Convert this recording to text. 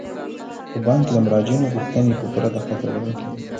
په بانک کې د مراجعینو غوښتنې په پوره دقت اوریدل کیږي.